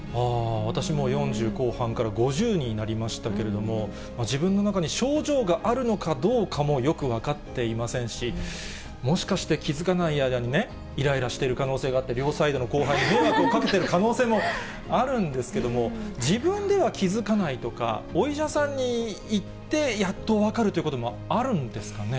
私もう、４０後半から５０になりましたけれども、自分の中に症状があるのかどうかもよく分かっていませんし、もしかして気付かない間にね、いらいらしてる可能性があって、両サイドの後輩に迷惑をかけてる可能性もあるんですけども、自分では気付かないとか、お医者さんに行ってやっと分かるということもあるんですかね？